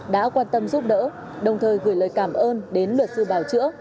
đã quan tâm giúp đỡ đồng thời gửi lời cảm ơn đến luật sư bào chữa